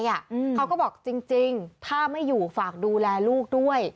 เขาก็บอกจริงถ้าไม่อยู่ฝากดูแลลูกด้วย